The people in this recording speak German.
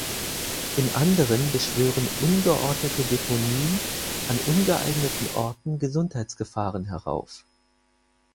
In anderen beschwören ungeordnete Deponien an ungeeigneten Orten Gesundheitsgefahren herauf.